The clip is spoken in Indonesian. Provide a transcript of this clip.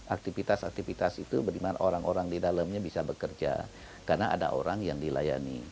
aktivitas aktivitas itu bagaimana orang orang di dalamnya bisa bekerja karena ada orang yang dilayani